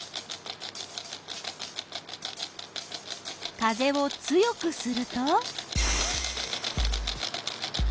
風を強くすると？